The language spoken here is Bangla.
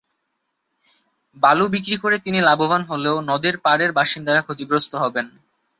বালু বিক্রি করে তিনি লাভবান হলেও নদের পারের বাসিন্দারা ক্ষতিগ্রস্ত হবেন।